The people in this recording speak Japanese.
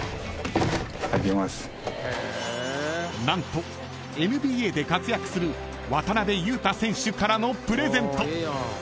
［何とＮＢＡで活躍する渡邊雄太選手からのプレゼント］